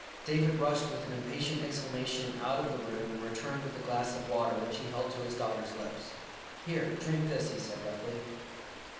David rushed with an impatient exclamation out of the room and returned with a glass of water which he held to his daughter's lips. "Here, drink this!" he said roughly.